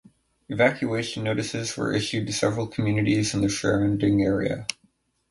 Evacuation notices were issued to several communities in the surrounding area.